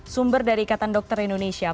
sumber dari ikatan dokter indonesia